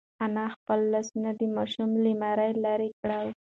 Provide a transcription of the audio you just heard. انا خپل لاسونه د ماشوم له مرۍ لرې کړل.